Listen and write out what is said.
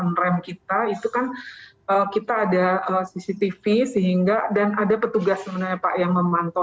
on rem kita itu kan kita ada cctv sehingga dan ada petugas sebenarnya pak yang memantau